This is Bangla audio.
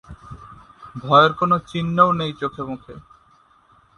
ভয়ের কোনো চিহ্নও নেই চোখে-মুখে।